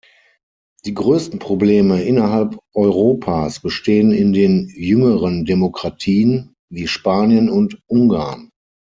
Die größten Probleme innerhalb Europas bestehen in den jüngeren Demokratien, wie Spanien und Ungarn.